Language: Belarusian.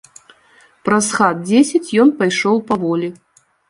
Праз хат дзесяць ён пайшоў паволі.